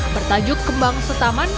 bertajuk kembang setaman